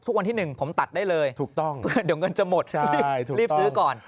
ทุกวันที่หนึ่งผมตัดได้เลยเดี๋ยวเงินจะหมดรีบซื้อก่อนถูกต้องใช่ถูกต้อง